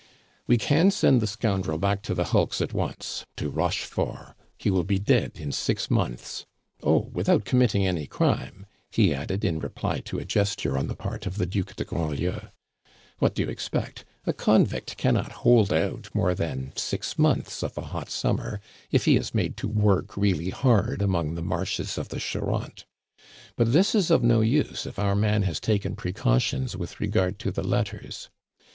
"We can send the scoundrel back to the hulks at once to Rochefort; he will be dead in six months! Oh! without committing any crime," he added, in reply to a gesture on the part of the Duc de Grandlieu. "What do you expect? A convict cannot hold out more than six months of a hot summer if he is made to work really hard among the marshes of the Charente. But this is of no use if our man has taken precautions with regard to the letters.